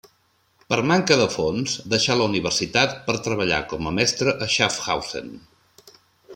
Per manca de fons deixà la universitat per treballar com a mestre a Schaffhausen.